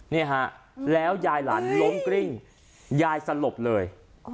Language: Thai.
นี่ฮะแล้วยายหลานล้มกริ้งยายสลบเลย